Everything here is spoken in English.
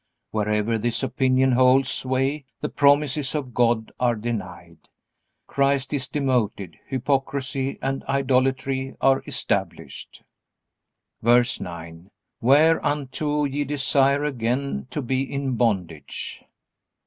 Wherever this opinion holds sway the promises of God are denied, Christ is demoted, hypocrisy and idolatry are established. VERSE 9. Whereunto ye desire again to be in bondage.